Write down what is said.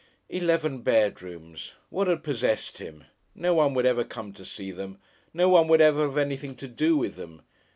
Eleven bedrooms! What had possessed him? No one would ever come to see them, no one would ever have anything to do with them.